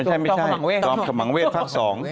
กรมขมังเวศคลอมขมังเวศภาค๒